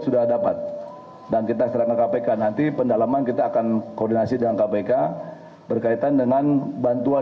mungkin aku takut ada pertanyaan nanti karena kami bersama sama juga